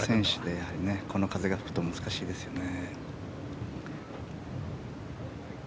この風が吹くと難しいですよね。